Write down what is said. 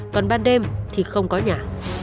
còn ban đêm thì không có nhà